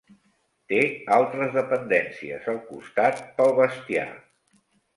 Té altres dependències al costat, pel bestiar.